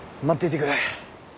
待っていてくれ。